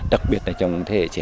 đặc biệt là trong thế hệ trẻ